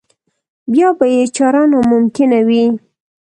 بیا به یې چاره ناممکنه وي.